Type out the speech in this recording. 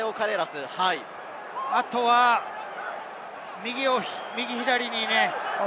あとは右、左にね。